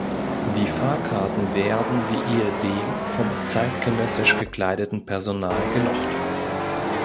Die Fahrkarten werden wie ehedem vom zeitgenössisch gekleideten Personal gelocht.